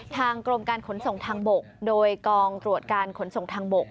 ทางกรมการขนส่งทางบกโดยกองตรวจการขนส่งทางบก